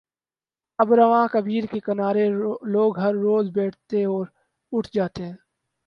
آب روان کبیرکے کنارے لوگ ہر روز بیٹھتے اور اٹھ جاتے ہیں۔